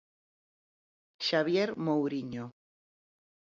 Xavier Mouriño.